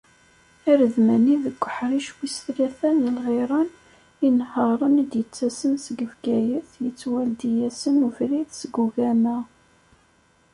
Aredmani deg uḥric wis tlata n lɣiran, inehharen i d-yettasen seg Bgayet yettwaldi-asen ubrid seg ugama.